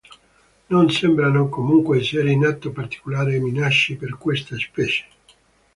Non sembrano comunque essere in atto particolari minacce per questa specie.